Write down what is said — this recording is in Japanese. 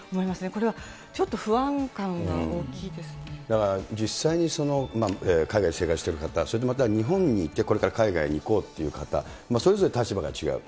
これは、ちょっと不安感が大きいだから実際に海外で生活している方、それでまた、日本にいて、これから海外に行こうっていう方、それぞれ立場が違う。